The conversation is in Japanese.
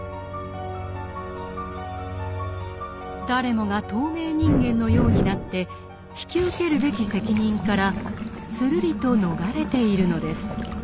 誰もが透明人間のようになって引き受けるべき責任からするりと逃れているのです。